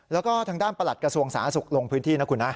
แล้วก็ทางด้านประหลัดกระทรวงสาธารณสุขลงพื้นที่นะคุณนะ